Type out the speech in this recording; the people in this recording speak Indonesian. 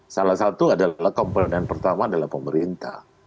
salah satu adalah komponen pertama adalah pemerintah